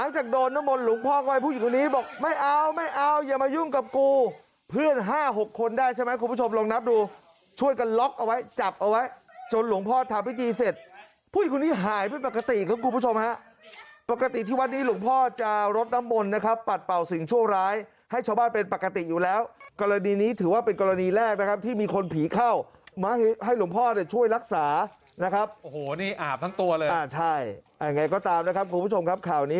จะเอาวาดเอาน้ำมนต์ฟุ๊บก็ให้